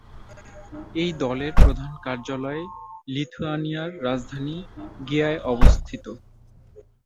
এই দলের প্রধান কার্যালয় লিথুয়ানিয়ার রাজধানী রিগায় অবস্থিত।